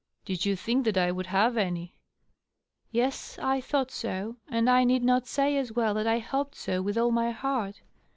Did you think that I would have any ?"" Yes. I thought so, — ^and I need not say, as well, that I hoped so with all my heart.